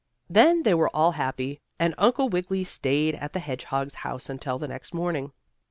Then they were all happy, and Uncle Wiggily stayed at the hedgehog's house until the next morning.